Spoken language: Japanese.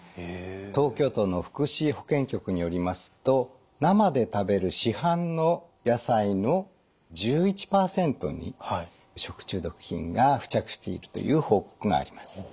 東京都の福祉保健局によりますと生で食べる市販の野菜の１１％に食中毒菌が付着しているという報告があります。